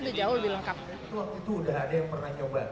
itu jauh lebih lengkap